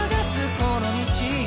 この道を」